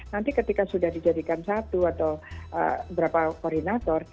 nanti ketika sudah dijadikan satu atau beberapa koordinator